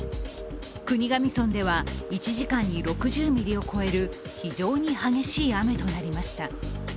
国頭村では１時間６０ミリを超える非常に激しい雨となりました。